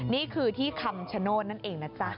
นี่คือที่คำชโนธนั่นเองนะจ๊ะ